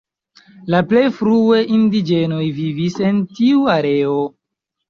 La plej frue indiĝenoj vivis en tiu areo.